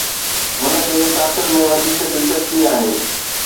هن کي قاتل ۾ وڌيڪ دلچسپي آهي.